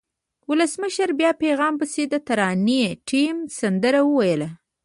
ولسمشر په پیغام پسې د ترانې ټیم سندره وویله.